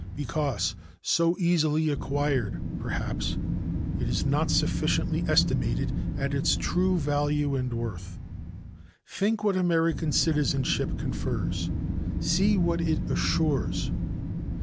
Because so easily acquired, perhaps, it is not sufficiently estimated at its true value and worth. Think what American citizenship confers; see what it assures!